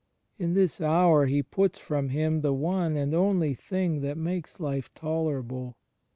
... In this hour He puts from Him the one and only thing that makes life tolerable.